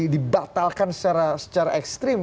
dibatalkan secara ekstrim